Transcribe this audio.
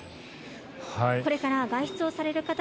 これから外出をされる方